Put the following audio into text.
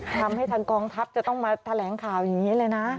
ทางกองทัพจะต้องมาแถลงข่าวอย่างนี้เลยนะ